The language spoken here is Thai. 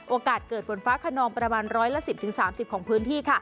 โอกาสเกิดฝนฟ้าขนองประมาณร้อยละ๑๐๓๐ของพื้นที่